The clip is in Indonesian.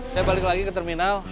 saya balik lagi ke terminal